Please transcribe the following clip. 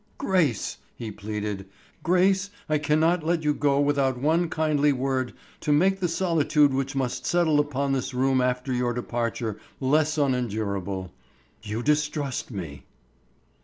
"Grace," he pleaded, "Grace, I cannot let you go without one kindly word to make the solitude which must settle upon this room after your departure, less unendurable. You distrust me."